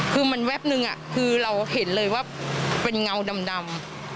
คือมันแป๊บนึงคือเราเห็นเลยว่าเป็นเงาดำ